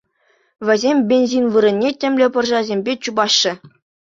Вӗсем бензин вырӑнне темӗнле пӑрҫасемпе чупаҫҫӗ.